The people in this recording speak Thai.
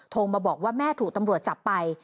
มาบอกว่าแม่ถูกตำรวจจับไป